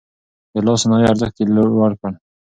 د لاس صنايعو ارزښت يې لوړ کړ.